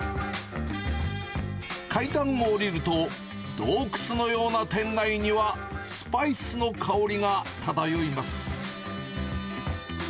階段を下りると、洞窟のような店内には、スパイスの香りが漂います。